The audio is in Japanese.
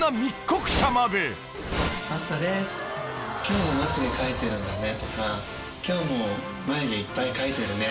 今日もまつげ描いてるんだねとか今日も眉毛いっぱい描いてるねとか。